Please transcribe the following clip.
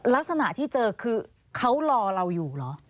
ลักษณะที่เจอคือเขารอเราอยู่เหรอ